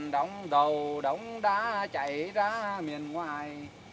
đóng đầu đóng đá chạy ra miền ngoài